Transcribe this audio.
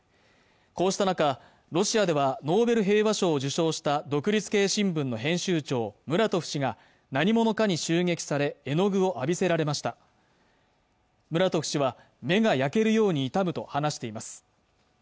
こうした中ロシアではノーベル平和賞を受賞した独立系新聞の編集長ムラトフ氏が何者かに襲撃され絵の具を浴びせられましたムラトフ氏は目が焼けるように痛むと話しています